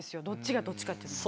どっちがどっちかって。